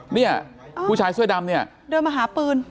เนี่ยผู้ชายเสื้อดำเนี่ยเดินมาหาปืน